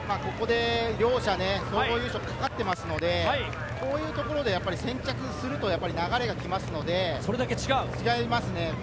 ここで両者、総合優勝がかかっていますので、こういうところで先着すると流れが来ますので、それだけ違います。